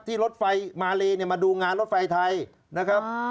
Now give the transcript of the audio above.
ที่รถไฟมาเลมาดูงานรถไฟไทยนะครับ